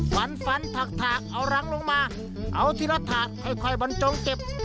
ฟันฟันถักเอารังลงมาเอาทีละถาค่อยบรรจงเก็บ